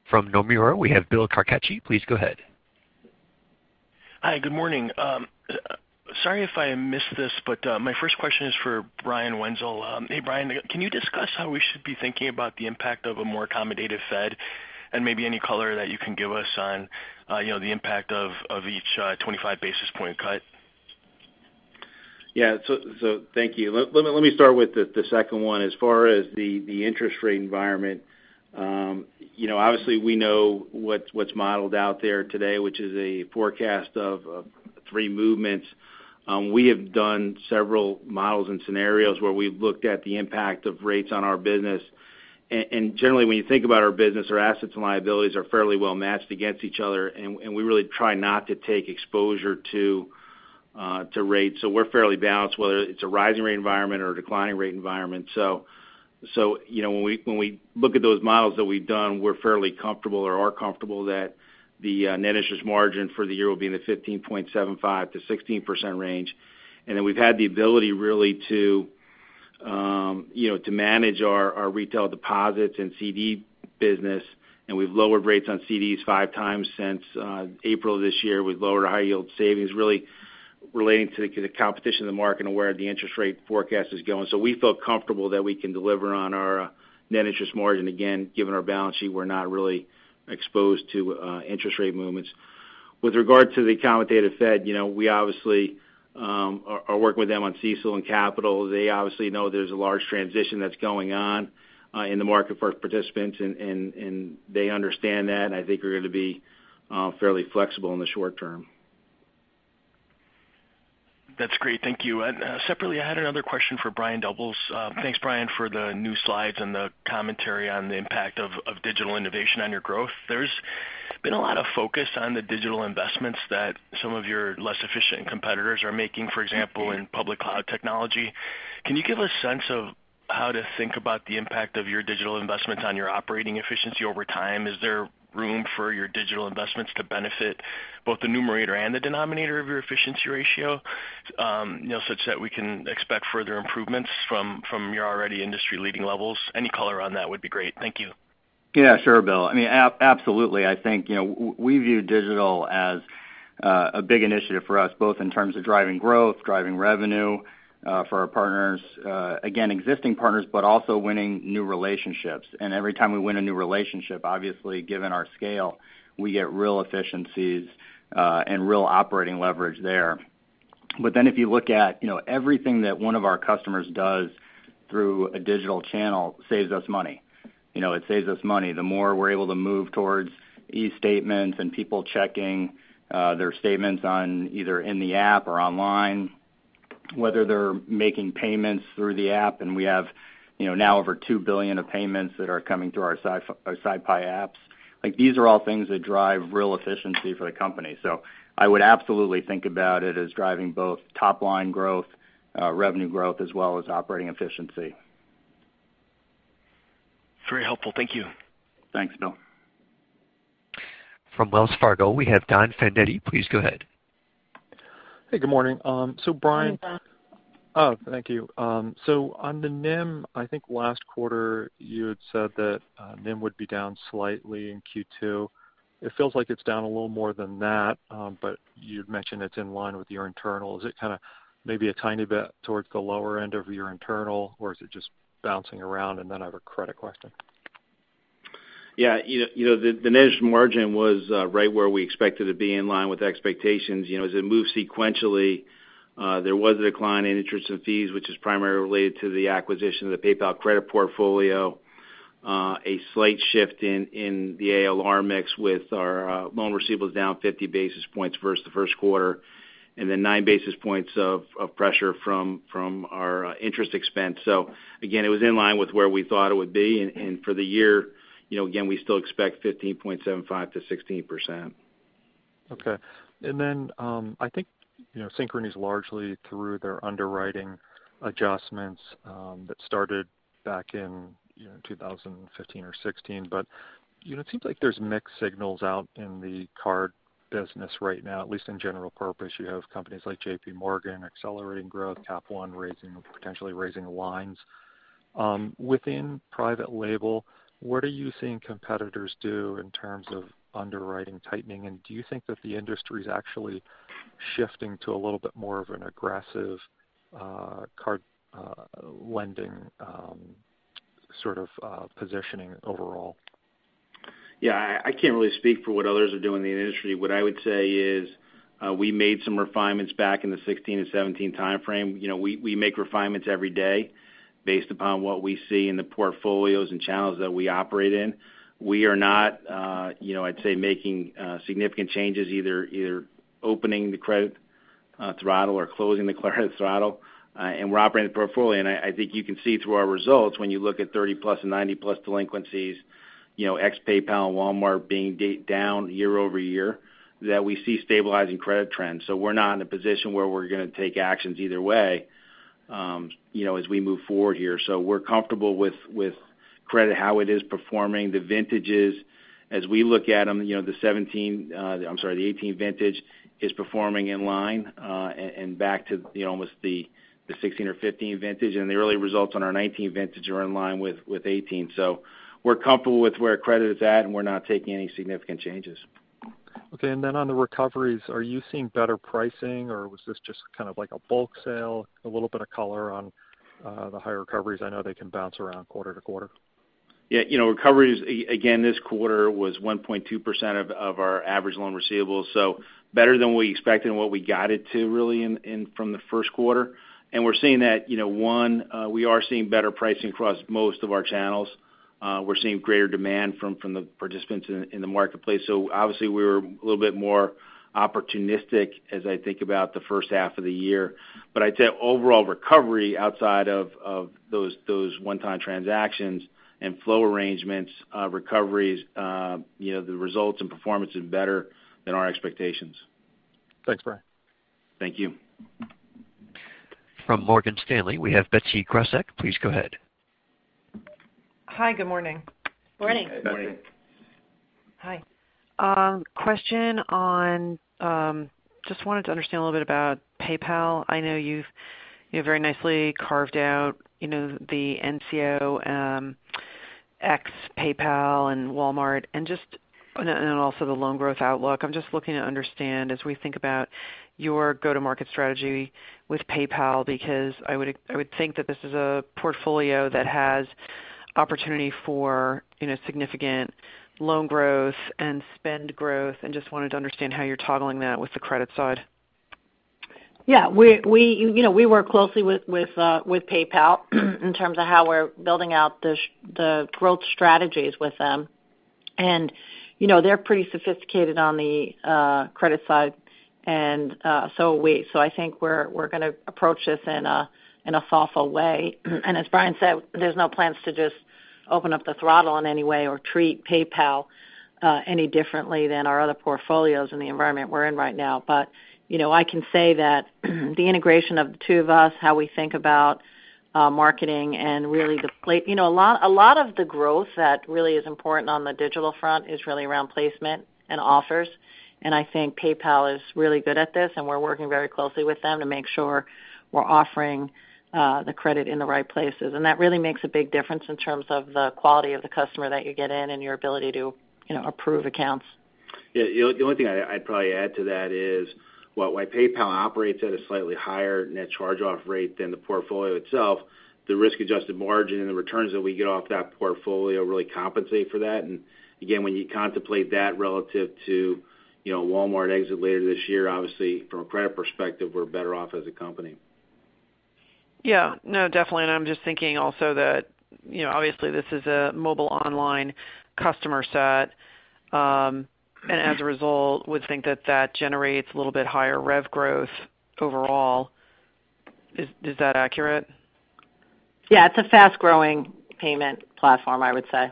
From Nomura, we have Bill Carcache. Please go ahead. Hi, good morning. Sorry if I missed this, my first question is for Brian Wenzel. Hey, Brian. Can you discuss how we should be thinking about the impact of a more accommodative Fed and maybe any color that you can give us on the impact of each 25 basis point cut? Yeah. Thank you. Let me start with the second one. As far as the interest rate environment, obviously we know what's modeled out there today, which is a forecast of three movements. We have done several models and scenarios where we've looked at the impact of rates on our business. Generally, when you think about our business, our assets and liabilities are fairly well matched against each other, and we really try not to take exposure to rates. We're fairly balanced, whether it's a rising rate environment or a declining rate environment. When we look at those models that we've done, we're fairly comfortable or are comfortable that the net interest margin for the year will be in the 15.75%-16% range. Then we've had the ability really to manage our retail deposits and CD business, and we've lowered rates on CDs 5x since April of this year. We've lowered our high yield savings, really relating to the competition in the market and where the interest rate forecast is going. We feel comfortable that we can deliver on our net interest margin. Again, given our balance sheet, we're not really exposed to interest rate movements. With regard to the accommodative Fed, we obviously are working with them on CECL and capital. They obviously know there's a large transition that's going on in the market for participants, and they understand that, and I think are going to be fairly flexible in the short term. That's great. Thank you. Separately, I had another question for Brian Doubles. Thanks, Brian, for the new slides and the commentary on the impact of digital innovation on your growth. There's been a lot of focus on the digital investments that some of your less efficient competitors are making, for example, in public cloud technology. Can you give a sense of how to think about the impact of your digital investments on your operating efficiency over time? Is there room for your digital investments to benefit both the numerator and the denominator of your efficiency ratio such that we can expect further improvements from your already industry-leading levels? Any color on that would be great. Thank you. Yeah, sure, Bill. Absolutely. I think we view digital as a big initiative for us, both in terms of driving growth, driving revenue for our partners. Again, existing partners, but also winning new relationships. Every time we win a new relationship, obviously, given our scale, we get real efficiencies and real operating leverage there. If you look at everything that one of our customers does through a digital channel saves us money. It saves us money the more we're able to move towards eStatements and people checking their statements on either in the app or online, whether they're making payments through the app. We have now over $2 billion of payments that are coming through our SyPi apps. These are all things that drive real efficiency for the company. I would absolutely think about it as driving both top-line growth, revenue growth, as well as operating efficiency. Very helpful. Thank you. Thanks, Bill. From Wells Fargo, we have Don Fandetti. Please go ahead. Hey, good morning. Brian- Hi, Don. Oh, thank you. On the NIM, I think last quarter you had said that NIM would be down slightly in Q2. It feels like it's down a little more than that, but you'd mentioned it's in line with your internal. Is it kind of maybe a tiny bit towards the lower end of your internal, or is it just bouncing around? Then I have a credit question. Yeah. The net margin was right where we expected it be in line with expectations. As it moves sequentially, there was a decline in interest and fees, which is primarily related to the acquisition of the PayPal Credit portfolio. A slight shift in the ALR mix with our loan receivables down 50 basis points versus the first quarter, then 9 basis points of pressure from our interest expense. Again, it was in line with where we thought it would be. For the year, again, we still expect 15.75%-16%. Okay. I think, Synchrony is largely through their underwriting adjustments that started back in 2015 or 2016. It seems like there's mixed signals out in the card business right now, at least in general purpose. You have companies like JPMorgan accelerating growth, Capital One potentially raising lines. Within private label, what are you seeing competitors do in terms of underwriting tightening? Do you think that the industry's actually shifting to a little bit more of an aggressive card lending sort of positioning overall? Yeah. I can't really speak for what others are doing in the industry. What I would say is, we made some refinements back in the 2016 and 2017 timeframe. We make refinements every day based upon what we see in the portfolios and channels that we operate in. We are not, I'd say, making significant changes, either opening the credit throttle or closing the credit throttle. We're operating the portfolio, and I think you can see through our results when you look at 30+ and 90+ delinquencies, ex-PayPal and Walmart being down year-over-year, that we see stabilizing credit trends. We're not in a position where we're going to take actions either way as we move forward here. We're comfortable with credit, how it is performing, the vintages. As we look at them, the 2018 vintage is performing in line, back to almost the 2016 or 2015 vintage, the early results on our 2019 vintage are in line with 2018. We're comfortable with where credit is at, we're not taking any significant changes. Then on the recoveries, are you seeing better pricing, or was this just kind of like a bulk sale? A little bit of color on the higher recoveries. I know they can bounce around quarter-to-quarter. Yeah. Recoveries, again, this quarter was 1.2% of our average loan receivables. Better than we expected and what we guided to, really, from the first quarter. We're seeing that, one, we are seeing better pricing across most of our channels. We're seeing greater demand from the participants in the marketplace. Obviously, we were a little bit more opportunistic as I think about the first half of the year. I'd say overall recovery outside of those one-time transactions and flow arrangements, recoveries, the results and performance is better than our expectations. Thanks, Brian. Thank you. From Morgan Stanley, we have Betsy Graseck. Please go ahead. Hi, good morning. Morning. Hi. Just wanted to understand a little bit about PayPal. I know you've very nicely carved out the NCO ex-PayPal and Walmart, also the loan growth outlook. I'm just looking to understand, as we think about your go-to-market strategy with PayPal, because I would think that this is a portfolio that has opportunity for significant loan growth and spend growth, just wanted to understand how you're toggling that with the credit side. Yeah. We work closely with PayPal in terms of how we're building out the growth strategies with them. They're pretty sophisticated on the credit side, and so I think we're going to approach this in a thoughtful way. As Brian said, there's no plans to just open up the throttle in any way or treat PayPal any differently than our other portfolios in the environment we're in right now. I can say that the integration of the two of us, how we think about marketing and A lot of the growth that really is important on the digital front is really around placement and offers. I think PayPal is really good at this, and we're working very closely with them to make sure we're offering the credit in the right places. That really makes a big difference in terms of the quality of the customer that you get in and your ability to approve accounts. Yeah. The only thing I'd probably add to that is while PayPal operates at a slightly higher net charge-off rate than the portfolio itself, the risk-adjusted margin and the returns that we get off that portfolio really compensate for that. Again, when you contemplate that relative to Walmart exit later this year, obviously from a credit perspective, we're better off as a company. Yeah. No, definitely. I'm just thinking also that obviously this is a mobile online customer set. As a result, would think that that generates a little bit higher rev growth overall. Is that accurate? Yeah. It's a fast-growing payment platform, I would say.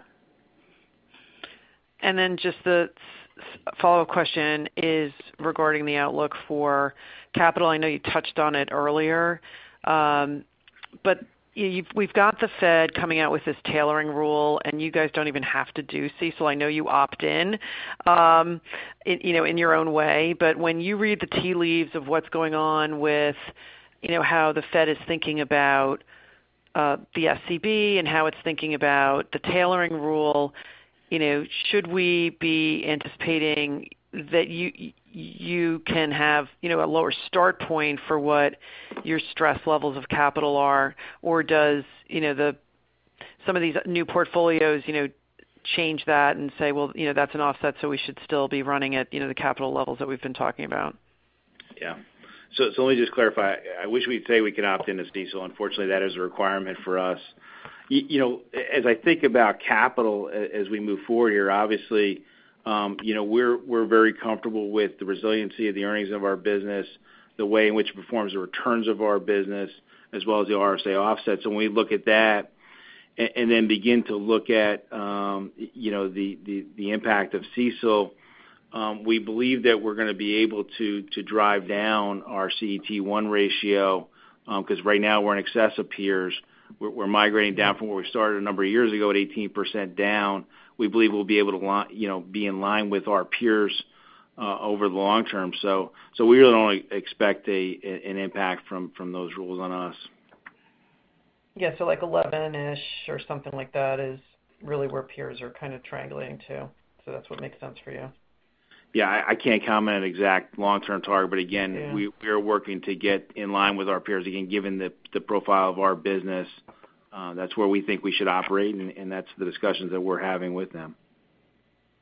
Just the follow-up question is regarding the outlook for capital. I know you touched on it earlier. We've got the Fed coming out with this tailoring rule, and you guys don't even have to do CCAR. I know you opt in in your own way. When you read the tea leaves of what's going on with how the Fed is thinking about the SCB and how it's thinking about the tailoring rule, should we be anticipating that you can have a lower start point for what your stress levels of capital are or does some of these new portfolios change that and say, well, that's an offset, so we should still be running at the capital levels that we've been talking about. Yeah. Let me just clarify. I wish we'd say we could opt into CECL. Unfortunately, that is a requirement for us. As I think about capital as we move forward here, obviously, we're very comfortable with the resiliency of the earnings of our business, the way in which it performs the returns of our business, as well as the RSA offsets. We look at that and then begin to look at the impact of CECL. We believe that we're going to be able to drive down our CET1 ratio, because right now we're in excess of peers. We're migrating down from where we started a number of years ago at 18% down. We believe we'll be able to be in line with our peers over the long term. We really don't expect an impact from those rules on us. Yeah. Like 11-ish or something like that is really where peers are kind of triangulating to. That's what makes sense for you? Yeah, I can't comment on exact long-term target. Yeah. We are working to get in line with our peers. Again, given the profile of our business, that's where we think we should operate, and that's the discussions that we're having with them.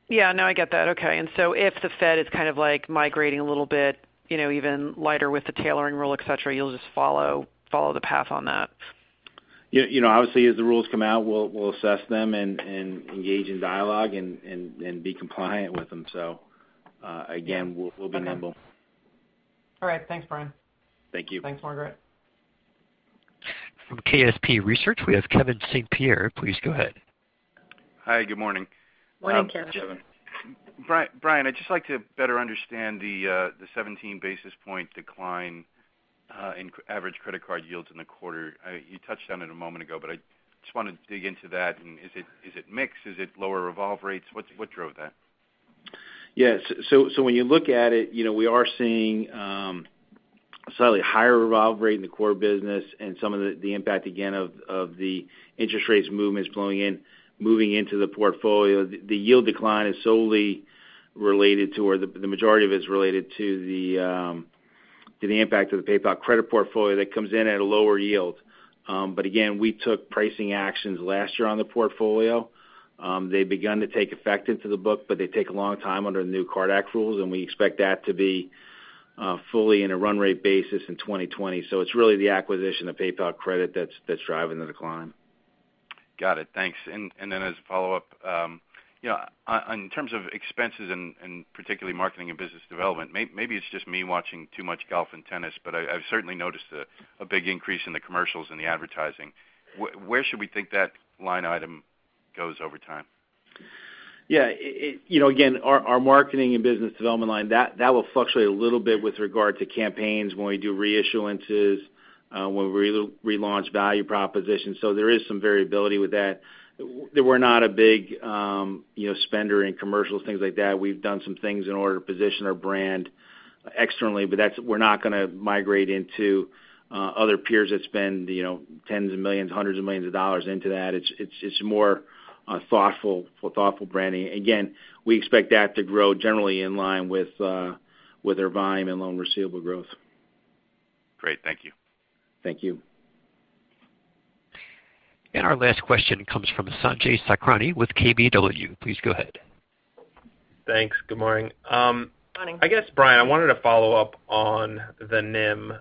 Yeah. No, I get that. Okay. If the Fed is kind of migrating a little bit even lighter with the tailoring rule, et cetera, you'll just follow the path on that. Yeah. Obviously, as the rules come out, we'll assess them and engage in dialogue and be compliant with them. Again, we'll be nimble. Okay. All right. Thanks, Brian. Thank you. Thanks, Margaret. From KSP Research, we have Kevin St. Pierre. Please go ahead. Hi. Good morning. Morning, Kevin. Morning. Brian, I'd just like to better understand the 17 basis point decline in average credit card yields in the quarter. You touched on it a moment ago, but I just want to dig into that. Is it mix? Is it lower revolve rates? What drove that? Yes. When you look at it, we are seeing slightly higher revolve rate in the core business and some of the impact, again, of the interest rates movements flowing in, moving into the portfolio. The yield decline is solely related to, or the majority of it is related to the impact of the PayPal Credit portfolio that comes in at a lower yield. Again, we took pricing actions last year on the portfolio. They've begun to take effect into the book, but they take a long time under the new CARD Act rules, and we expect that to be fully in a run rate basis in 2020. It's really the acquisition of PayPal Credit that's driving the decline. Got it. Thanks. As a follow-up, in terms of expenses and particularly marketing and business development, maybe it's just me watching too much golf and tennis, but I've certainly noticed a big increase in the commercials and the advertising. Where should we think that line item goes over time? Again, our marketing and business development line, that will fluctuate a little bit with regard to campaigns when we do reissuances, when we relaunch value propositions. There is some variability with that. We're not a big spender in commercials, things like that. We've done some things in order to position our brand externally, but we're not going to migrate into other peers that spend tens of millions, hundreds of millions of dollars into that. It's more thoughtful branding. Again, we expect that to grow generally in line with our volume and loan receivable growth. Great. Thank you. Thank you. Our last question comes from Sanjay Sakhrani with KBW. Please go ahead. Thanks. Good morning. Morning. I guess, Brian, I wanted to follow up on the NIM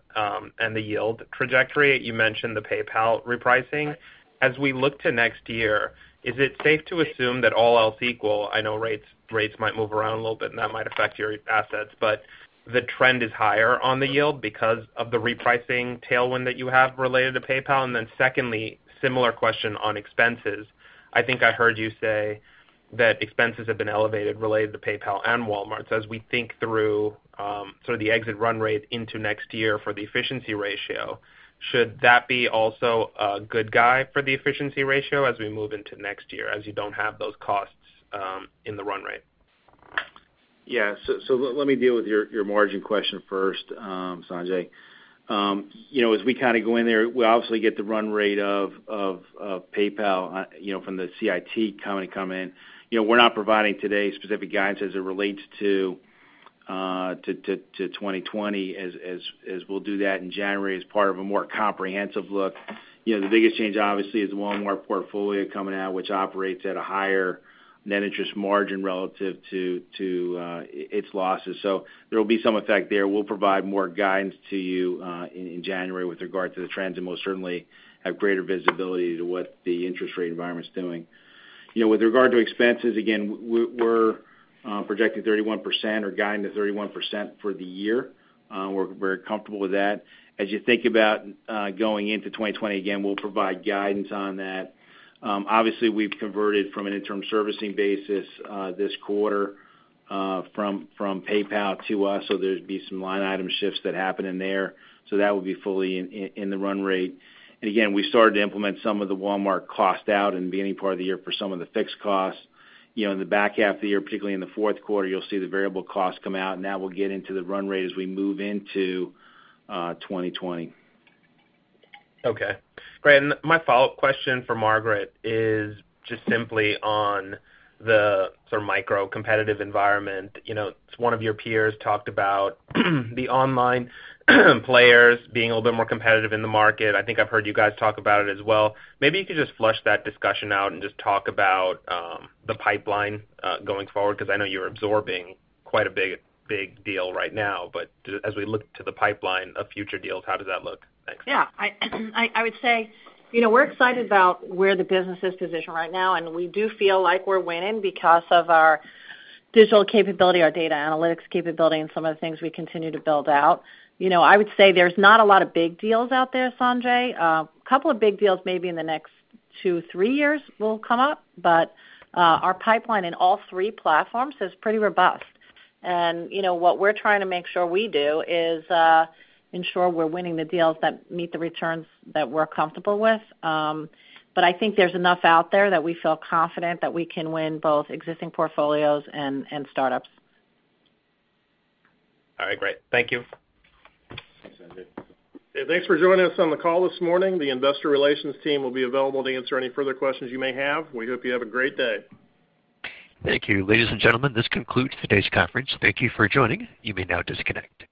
and the yield trajectory. You mentioned the PayPal repricing. As we look to next year, is it safe to assume that all else equal, I know rates might move around a little bit, and that might affect your assets, but the trend is higher on the yield because of the repricing tailwind that you have related to PayPal? Then secondly, similar question on expenses. I think I heard you say that expenses have been elevated related to PayPal and Walmart. As we think through sort of the exit run rate into next year for the efficiency ratio, should that be also a good guide for the efficiency ratio as we move into next year, as you don't have those costs in the run rate? Yeah. Let me deal with your margin question first, Sanjay. As we kind of go in there, we obviously get the run rate of PayPal from the CIT company come in. We're not providing today specific guidance as it relates to 2020, as we'll do that in January as part of a more comprehensive look. The biggest change obviously is the Walmart portfolio coming out, which operates at a higher net interest margin relative to its losses. There will be some effect there. We'll provide more guidance to you in January with regard to the trends, and most certainly have greater visibility to what the interest rate environment's doing. With regard to expenses, again, we're projecting 31% or guiding to 31% for the year. We're comfortable with that. As you think about going into 2020, again, we'll provide guidance on that. Obviously, we've converted from an interim servicing basis this quarter from PayPal to us, there'd be some line item shifts that happen in there. That would be fully in the run rate. Again, we started to implement some of the Walmart cost out in the beginning part of the year for some of the fixed costs. In the back half of the year, particularly in the fourth quarter, you'll see the variable costs come out, and that will get into the run rate as we move into 2020. Okay. Great. My follow-up question for Margaret is just simply on the micro competitive environment. One of your peers talked about the online players being a little bit more competitive in the market. I think I've heard you guys talk about it as well. Maybe you could just flush that discussion out and just talk about the pipeline going forward, because I know you're absorbing quite a big deal right now. As we look to the pipeline of future deals, how does that look? Thanks. Yeah. I would say, we're excited about where the business is positioned right now, and we do feel like we're winning because of our digital capability, our data analytics capability, and some of the things we continue to build out. I would say there's not a lot of big deals out there, Sanjay. A couple of big deals maybe in the next two, three years will come up, our pipeline in all three platforms is pretty robust. What we're trying to make sure we do is ensure we're winning the deals that meet the returns that we're comfortable with. I think there's enough out there that we feel confident that we can win both existing portfolios and startups. All right, great. Thank you. Thanks, Sanjay. Thanks for joining us on the call this morning. The investor relations team will be available to answer any further questions you may have. We hope you have a great day. Thank you. Ladies and gentlemen, this concludes today's conference. Thank you for joining. You may now disconnect.